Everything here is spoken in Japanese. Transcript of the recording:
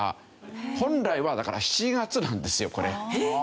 本来はだから７月なんですよこれ。えっ！